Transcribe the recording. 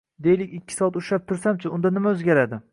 Deylik, ikki soat ushlab tursam-chi, unda nima oʻzgaradi